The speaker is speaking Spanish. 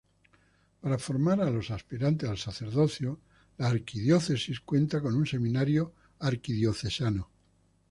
Para formar a los aspirantes al sacerdocio, la arquidiócesis cuenta con un seminario arquidiocesano.